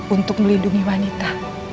untuk melindungi wanita